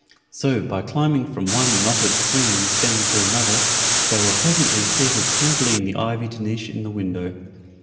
So, by climbing from one knotted, clinging stem to another, they were presently seated snugly in the ivied niche in the window.